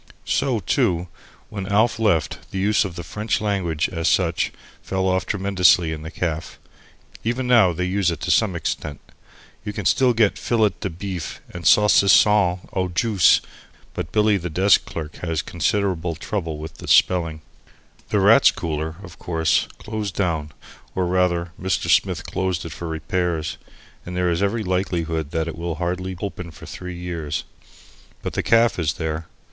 So, too, when Alf left, the use of the French language, as such, fell off tremendously in the caff. Even now they use it to some extent. You can still get fillet de beef, and saucisson au juice, but Billy the desk clerk has considerable trouble with the spelling. The Rats' Cooler, of course, closed down, or rather Mr. Smith closed it for repairs, and there is every likelihood that it will hardly open for three years. But the caff is there.